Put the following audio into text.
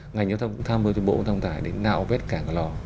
ngành nghệ thông cũng tham mưu cho bộ thông văn tải để nạo vết cảng cờ lò